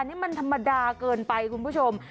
นี่มันธรรมดาเกินไปคุณผู้ชม